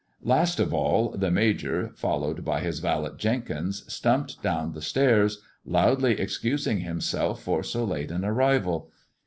Last of all the Major, followed by his valet Jenkins, stumped down tho etairs, loudly excusing himself for so late an arrival.